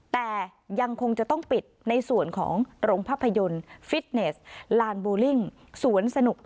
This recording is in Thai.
แต่ยังคงจะต้องปิดในส่วนของโรงภาพยนตร์ฟิตเนสลานบูลิ่งสวนสนุก